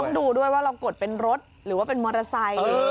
ดูด้วยว่าเรากดเป็นรถหรือว่าเป็นมอเตอร์ไซค์